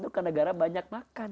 itu kan negara banyak makan